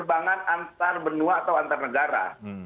ini bukan penerbangan antar benua atau antar negara